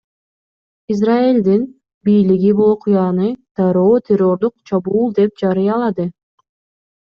Израилдин бийлиги бул окуяны дароо террордук чабуул деп жарыялады.